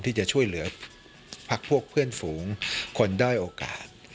ที่จะช่วยเหลือพักพวกเพื่อนฝูงคนด้อยโอกาส